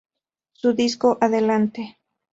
Su disco "Adelante!